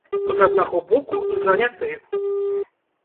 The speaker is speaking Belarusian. З аднаго боку, заняты.